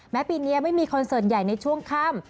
ปีนี้ไม่มีคอนเสิร์ตใหญ่ในช่วงค่ำ